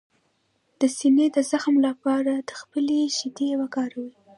د سینې د زخم لپاره د خپلې شیدې وکاروئ